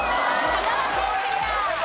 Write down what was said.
香川県クリア。